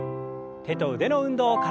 手と腕の運動から。